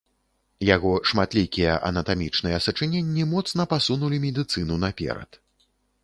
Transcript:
Яго шматлікія анатамічныя сачыненні моцна пасунулі медыцыну наперад.